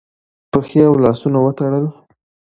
پښې او لاسونه وتړل